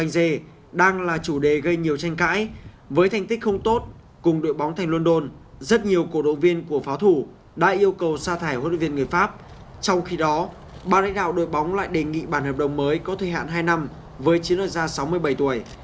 trong khi đó bác đại đạo đội bóng lại đề nghị bản hợp đồng mới có thời hạn hai năm với chiến đấu gia sáu mươi bảy tuổi